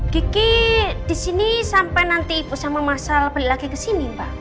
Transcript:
gigi disini sampai nanti ibu sama masal balik lagi kesini mbak